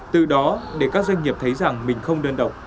từ đó để các doanh nghiệp thấy rằng mình không đơn độc